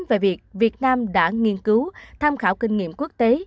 về việc việt nam đã nghiên cứu tham khảo kinh nghiệm quốc tế